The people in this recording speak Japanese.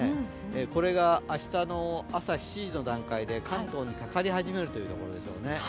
これが明日の朝７時の段階で、関東にかかり始めるという予報でしょうね。